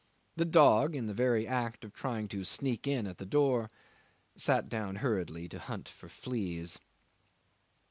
The dog, in the very act of trying to sneak in at the door, sat down hurriedly to hunt for fleas.